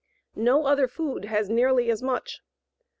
No other food has nearly as much.